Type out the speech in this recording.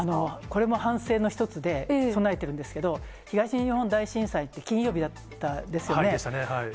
これも反省の一つで、備えてるんですけれども、東日本大震災って金曜日だったんですよね。